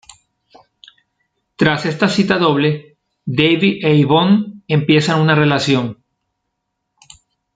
Tras esta cita doble, Davy e Yvonne empiezan una relación.